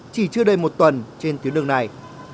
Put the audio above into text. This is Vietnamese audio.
chỉ chưa đầy một tuần trên tiến đường này